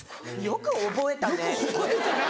よく覚えたね。